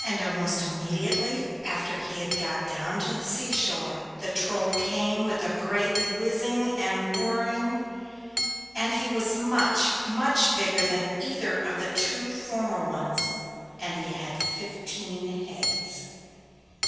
Almost immediately after he had got down to the sea shore the Troll came with a great whizzing and whirring, and he was much, much bigger than either of the two former ones, and he had fifteen heads.